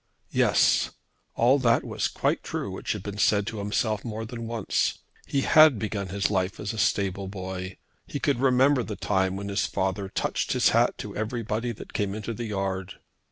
Yes; all that was quite true which had been said to himself more than once. He had begun his life as a stable boy. He could remember the time when his father touched his hat to everybody that came into the yard.